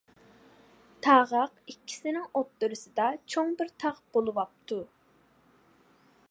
تاغاق ئىككىسىنىڭ ئوتتۇرىسىدا چوڭ بىر تاغ بولۇۋاپتۇ.